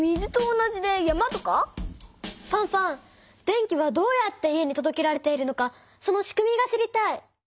電気はどうやって家にとどけられているのかそのしくみが知りたい！